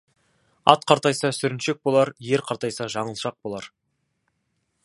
Ат қартайса, сүріншек болар, ер қартайса, жаңылшақ болар.